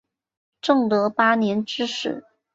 正德八年致仕。